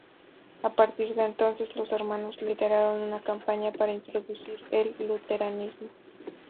A partir de entonces los hermanos lideraron una campaña para introducir el luteranismo.